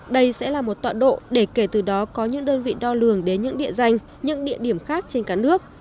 đây sẽ là một tọa độ để kể từ đó có những đơn vị đo lường đến những địa danh những địa điểm khác trên cả nước